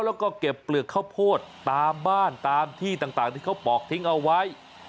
แล้วก็เก็บเปลือกข้าวโพดตามบ้านตามที่ต่างที่เขาปอกทิ้งเอาไว้